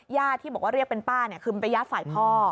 ญาติที่บอกว่าเรียกเป็นป้าเนี่ยคือมันเป็นญาติฝ่ายพ่อ